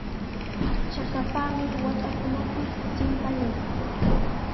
Chakapami waatakunapis chimpayan.